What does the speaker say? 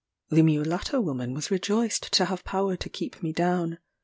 The mulatto woman was rejoiced to have power to keep me down.